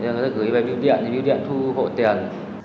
người ta gửi bài miễn điện miễn điện thu hộ tiền